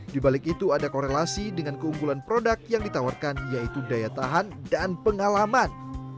di balik itu ada korelasi dengan keunggulan produk yang ditawarkan yaitu daya tahan dan pengalaman